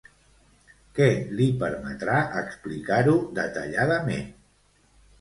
Què li permetrà explicar-lo detalladament?